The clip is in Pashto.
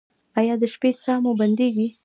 ایا د شپې ساه مو بندیږي؟